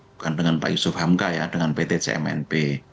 bukan dengan pak yusuf hamka ya dengan pt cmnp